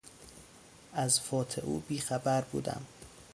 از فوت او بیخبر بودم.